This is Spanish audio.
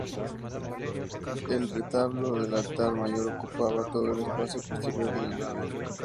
El retablo del altar mayor ocupaba todo el espacio posterior de la nave.